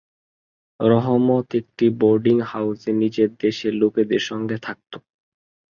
রহমত একটি বোর্ডিং হাউসে নিজের দেশের লোকেদের সঙ্গে থাকত।